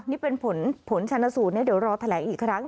นี่เป็นผลชนสูตรเดี๋ยวรอแถลงอีกครั้ง